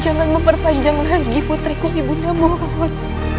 jangan memperpanjang lagi putriku ibu nanda mohon